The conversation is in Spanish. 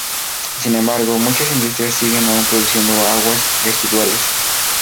Sin embargo, muchas industrias siguen aún produciendo aguas residuales.